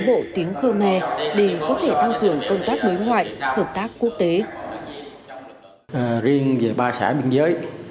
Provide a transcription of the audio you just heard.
bộ tiếng khmer để có thể tham khưởng công tác đối ngoại hợp tác quốc tế riêng về ba xã biên giới thì nó đã đạt được sự thống nhất đồng thuận một trăm linh trong ban giám đốc công an tỉnh